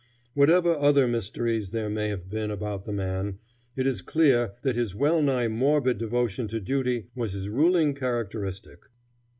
Whatever other mysteries there may have been about the man, it is clear that his well nigh morbid devotion to duty was his ruling characteristic.